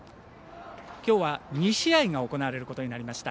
きょうは２試合が行われることになりました。